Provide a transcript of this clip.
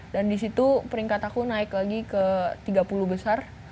dan di situ peringkat aku naik lagi ke tiga puluh besar